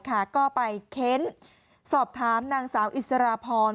ก็ไปเค้นสอบถามนางสาวอิสราพร